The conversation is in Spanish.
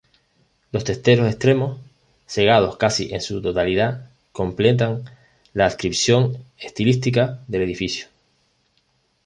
Los testeros extremos, cegados casi en su totalidad, completan la adscripción estilística del edificio.